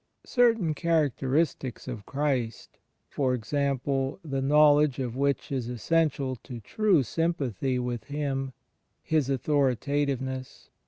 Certain charac teristics of Christ, for example, the knowledge of which is essential to true sympathy with Him — His authori tativeness.